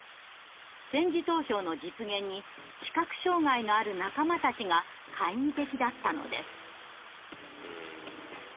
点字投票の実現に視覚障害のある仲間たちが懐疑的だったのです。